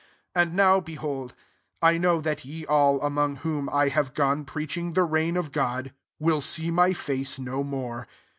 25 And now, behold, I know that ye all, among whom I have gone preaching the reign {of God\ will see my face no more.